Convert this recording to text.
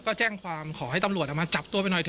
ก็แจ้งความขอให้ตำรวจมาจับตัวไปหน่อยเ